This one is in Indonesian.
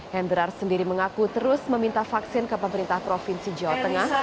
hendrar sendiri mengaku terus meminta vaksin ke pemerintah provinsi jawa tengah